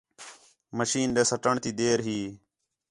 مشین ݙے سٹّݨ تی دیر ہی